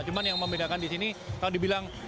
cuma yang membedakan di sini kalau dibilang